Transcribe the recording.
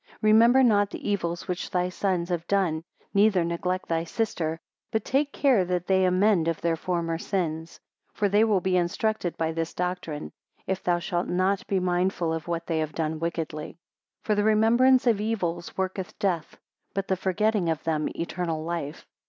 remember not the evils which thy sons have done, neither neglect thy sister, but take care that they amend of their former sins. 22 For they will be instructed by this doctrine, if thou shalt not be mindful of what they have done wickedly. 23 For the remembrance of evils worketh death, but the forgetting of them eternal life.